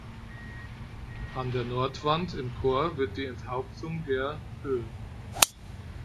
An der Nordwand im Chor wird die Enthauptung der hl.